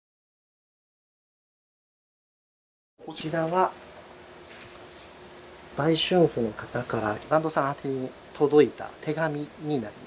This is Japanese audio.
こちらは売春婦の方から團藤さん宛てに届いた手紙になりますね。